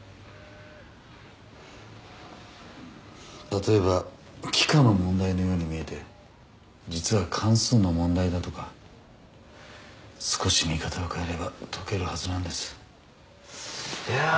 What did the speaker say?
例えば幾何の問題のように見えて実は関数の問題だとか少し見方を変えれば解けるはずなんですいやー